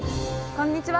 こんにちは。